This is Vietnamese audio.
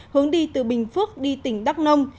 hướng đi từ bình phước đi tỉnh đắk nông